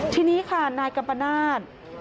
ทีนี้ค่ะนายกัมปนาศ